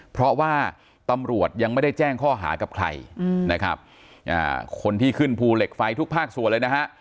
เพราะว่าตำรวจยังไม่ได้แจ้งข้อหากับใครนะครับคนที่ขึ้นภูเหล็กไฟทุกภาคส่วนเลยนะฮะ